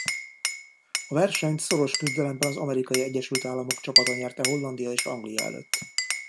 A versenyt szoros küzdelemben az Amerikai Egyesült Államok csapata nyerte Hollandia és Anglia előtt.